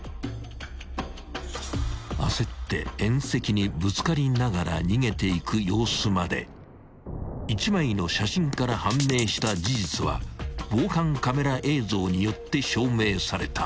［焦って縁石にぶつかりながら逃げていく様子まで１枚の写真から判明した事実は防犯カメラ映像によって証明された］